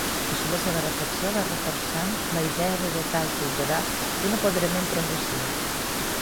Així, la seva reflexió va reforçant la idea de dotar el ciutadà d'un apoderament progressiu.